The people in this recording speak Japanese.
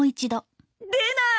出ない。